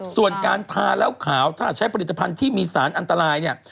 ส่วนการทาแล้วขาวถ้าใช้ผลิตภัณฑ์ที่มีสารอันตรายเนี่ย